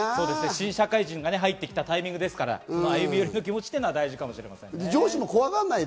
新社会人が入ってきたタイミングですから、歩み寄りの気持ちは大事かもしれません。